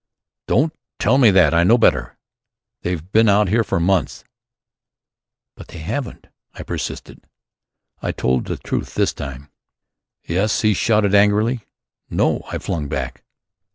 "Don't tell me that: I know better. They've been out here for months." "But they haven't," I persisted. I told the truth this time. "Yes," he shouted angrily. "No," I flung back.